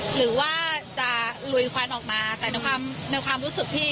หรือว่าจะลุยควันออกมาแต่ในความรู้สึกพี่